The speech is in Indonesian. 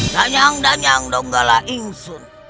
danyang danyang donggala insun